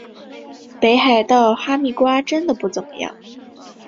北海道哈密瓜真的不怎么样